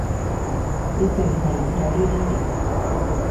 你淨係諗到呢啲嘢